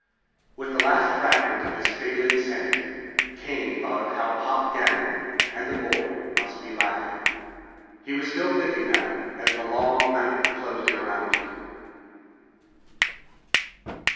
_ With the last fragment of his failing sanity, Kane thought of how Pop Ganlon and the boy must be laughing. He was still thinking that as the long night closed in around him.